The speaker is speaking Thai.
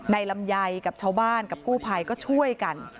ลำไยกับชาวบ้านกับกู้ภัยก็ช่วยกัน